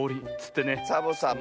サボさん